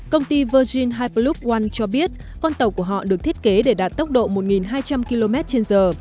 công ty virgin hyperloop one cho biết con tàu của họ được thiết kế để đạt tốc độ một hai trăm linh km trên giờ